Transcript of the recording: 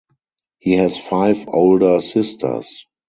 He has five older sisters.